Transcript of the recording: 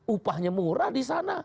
upahnya murah disana